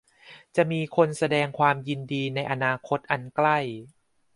จะมีคนแสดงความยินดีในอนาคตอันใกล้